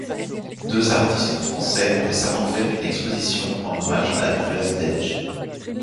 Deux artistes français ont récemment fait une exposition en hommage à Douglas Dedge.